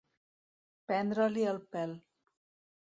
Prendre-li el pèl.